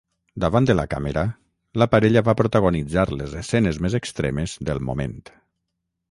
Davant de la càmera la parella va protagonitzar les escenes més extremes del moment.